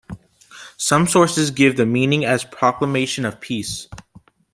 Some sources give the meaning as "proclamation of peace".